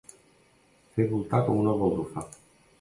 Fer voltar com una baldufa.